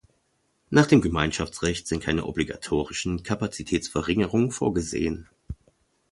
Nach Gemeinschaftsrecht sind keine obligatorischen Kapazitätsverringerungen vorgesehen.